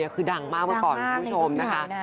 คือดังมากมาก่อนคุณผู้ชมนะคะ